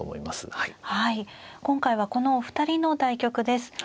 今回はこのお二人の対局です。